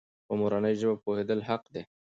په مورنۍ ژبه پوهېدل حق دی.